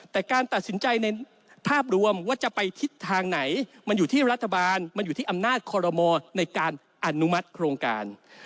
แต่การตัดสินใจในภาพรวมว่าจะไปทิศทางไหนมันอยู่ที่รัฐบาลมันอยู่ที่อำนาจคอรมอในการอนุมัติโครงการ